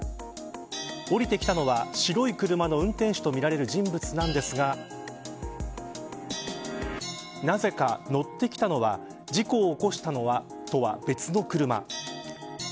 降りてきたのは白い車の運転手とみられる人物なんですがなぜか乗ってきたのは事故を起こしたのとは別の車。